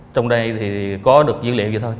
trong đây thì có được dữ liệu vậy thôi